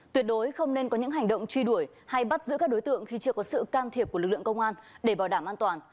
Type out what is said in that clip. tuyệt đối không nên có những hành động truy đuổi hay bắt giữ các đối tượng khi chưa có sự can thiệp của lực lượng công an để bảo đảm an toàn